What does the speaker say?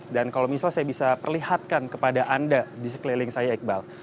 dan kalau misalnya saya bisa perlihatkan kepada anda di sekeliling saya iqbal